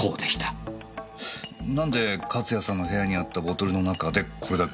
何で勝谷さんの部屋にあったボトルの中でこれだけ。